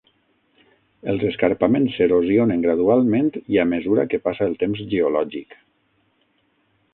Els escarpaments s'erosionen gradualment i a mesura que passa el temps geològic.